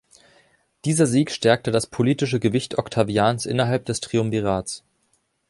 Dieser Sieg stärkte das politische Gewicht Octavians innerhalb des Triumvirats.